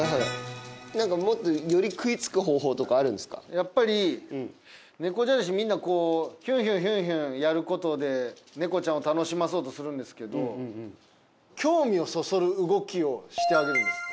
やっぱり猫じゃらしみんなこうヒュンヒュンヒュンヒュンやることで猫ちゃんを楽しまそうとするんですけど興味をそそる動きをしてあげるんです。